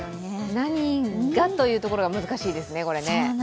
何がというところが難しいですね、これね。